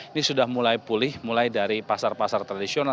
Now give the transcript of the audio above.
ini sudah mulai pulih mulai dari pasar pasar tradisional